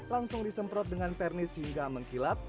langsung disemprot dengan pernis hingga mengkilap